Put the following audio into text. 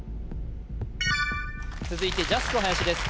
続いてジャスコ林です